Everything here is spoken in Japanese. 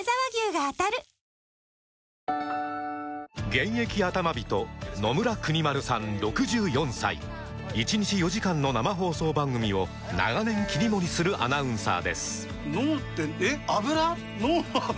現役アタマ人野村邦丸さん６４歳１日４時間の生放送番組を長年切り盛りするアナウンサーです